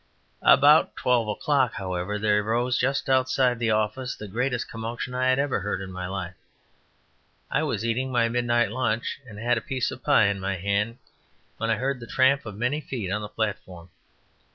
About twelve o'clock, however, there arose just outside the office the greatest commotion I had ever heard in my life. I was eating my midnight lunch, and had a piece of pie in my hand, when I heard the tramp of many feet on the platform.